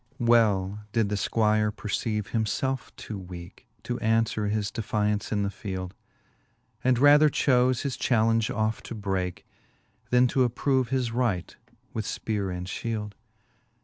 XXIV. Well did the Squire perceive him felfe too weake, To aunfwere his defiaunce in the field. And rather chofe his challenge off to breake. Then to approve his right with fpeare and fhield.